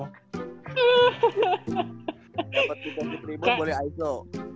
dapat di rebound boleh aizo